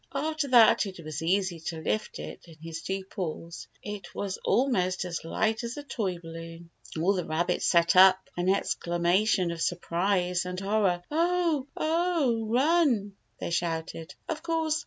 After that it was easy to lift it in his two paws. It was almost as light as a toy balloon. All the rabbits set up an exclamation of sur prise and horror. "Oh! Oh! Run!" they shouted. Of course.